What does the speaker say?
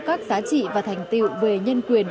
các giá trị và thành tiệu về nhân quyền